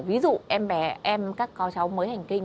ví dụ em bé em các con cháu mới hành kinh